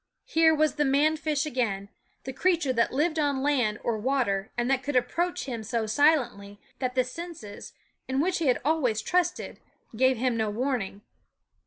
Here was the man fish again, the creature that lived on land or water, and that could approach him so silently that the senses, in which he had always trusted, gave him no warning.